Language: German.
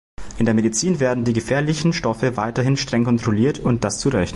In der Medizin werden die gefährlichen Stoffe weiterhin streng kontrolliert und das zu Recht.